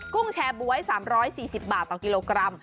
กุ้งแชร์บ๊วย๓๔๐บาทต่อกิโลกรัม